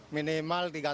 minimal tiga tahun